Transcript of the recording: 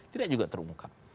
tidak juga terungkap